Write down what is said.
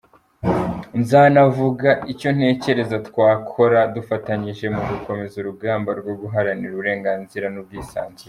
Nzanavuga icyo ntekereza twakora dufatanyije mu gukomeza urugamba rwo guharanira uburenganzira n’ubwisanzure.